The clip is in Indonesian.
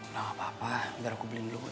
nggak apa apa nanti aku beliin dulu